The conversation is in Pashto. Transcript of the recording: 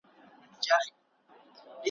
په منطق دي نه پوهېږي دا غویی دی ,